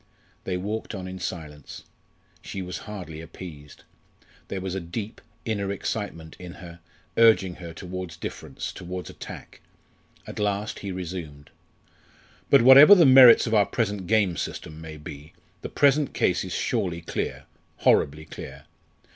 They walked on in silence. She was hardly appeased. There was a deep, inner excitement in her urging her towards difference, towards attack. At last he resumed: "But whatever the merits of our present game system may be, the present case is surely clear horribly clear.